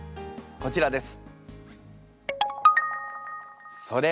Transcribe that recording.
こちらです。